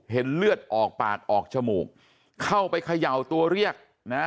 เลือดออกปากออกจมูกเข้าไปเขย่าตัวเรียกนะ